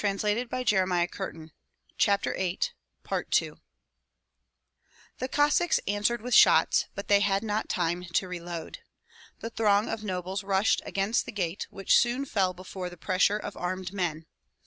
slay!" cried the Lauda men, rushing forward like a torrent. The Cossacks answered with shots, but they had not time to reload. The throng of nobles rushed against the gate, which soon fell before the pressure of armed men.